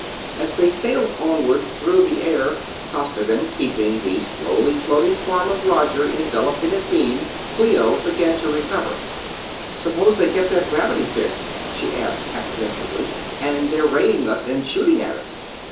As they sailed onward through the air, Costigan keeping the slowly floating form of Roger enveloped in his beam, Clio began to recover. "Suppose they get their gravity fixed?" she asked, apprehensively. "And they're raying us and shooting at us!"